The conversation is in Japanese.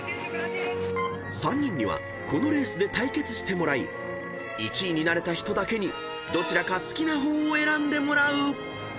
［３人にはこのレースで対決してもらい１位になれた人だけにどちらか好きな方を選んでもらう］